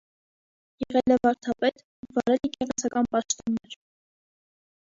Եղել է վարդապետ, վարել եկեղեցական պաշտոններ։